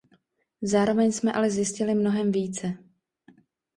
Zároveň jsme ale zjistili mnohem více.